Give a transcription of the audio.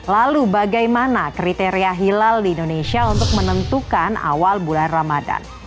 lalu bagaimana kriteria hilal di indonesia untuk menentukan awal bulan ramadan